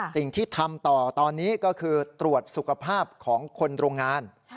สิ่งที่ทำต่อตอนนี้ก็คือตรวจสุขภาพของคนโรงงาน